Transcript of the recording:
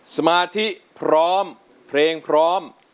สมาธิพร้อมเพลงพร้อม